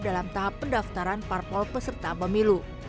dalam tahap pendaftaran partai politik